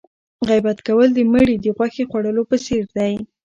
غیبت کول د مړي د غوښې خوړلو په څېر دی.